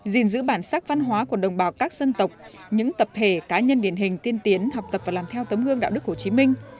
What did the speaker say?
gìn giữ bản sắc văn hóa của đồng bào các dân tộc những tập thể cá nhân điển hình tiên tiến học tập và làm theo tấm gương đạo đức hồ chí minh